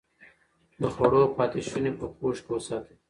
د خوړو پاتې شوني په پوښ کې وساتئ.